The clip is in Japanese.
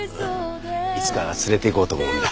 いつか連れていこうと思うんだ。